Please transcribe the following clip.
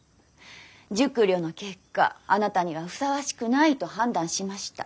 熟慮の結果あなたにはふさわしくないと判断しました。